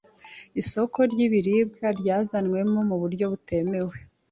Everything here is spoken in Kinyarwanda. isoko ry'ibiribwa ryazanywemo mu buryo butemewe,